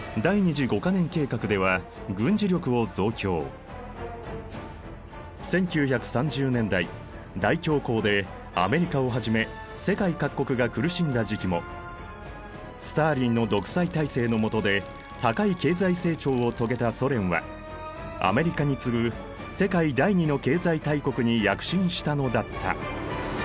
その後１９３０年代大恐慌でアメリカをはじめ世界各国が苦しんだ時期もスターリンの独裁体制のもとで高い経済成長を遂げたソ連はアメリカに次ぐ世界第２の経済大国に躍進したのだった。